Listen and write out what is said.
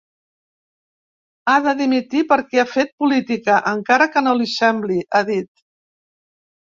Ha de dimitir perquè ha fet política, encara que no li sembli, ha dit.